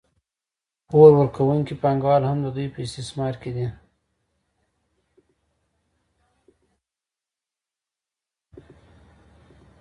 پور ورکوونکي پانګوال هم د دوی په استثمار کې دي